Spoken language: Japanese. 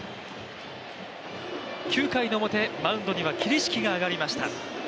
９回の表、マウンドには桐敷が上がりました。